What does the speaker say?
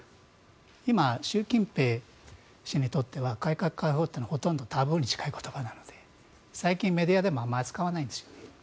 今、習近平氏にとっては改革開放というのはほとんどタブーに近い言葉なので最近、メディアでもあまり使わないんですよ。